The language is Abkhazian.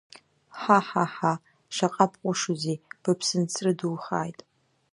Ҳа, ҳа, ҳа, шаҟа бҟәышузеи быԥсынҵры духааит…